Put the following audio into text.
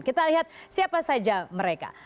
kita lihat siapa saja mereka